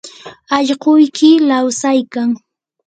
allquyki lawsaykan.